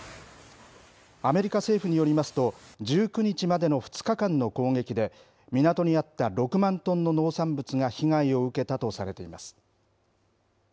アメリカ政府によりますと、１９日までの２日間の攻撃で、港にあった６万トンの農産物が被害を受けたとされています。